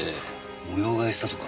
模様替えしたとか？